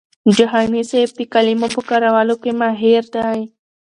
جهاني صاحب د کلمو په کارولو کي ماهر دی.